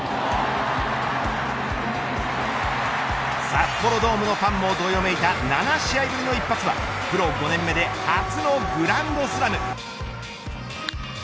札幌ドームのファンもどよめいた７試合ぶりの一発はプロ５年目で初のグランドスラム。